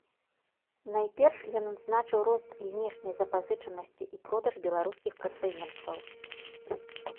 Найперш ён адзначыў рост знешняй запазычанасці і продаж беларускіх прадпрыемстваў.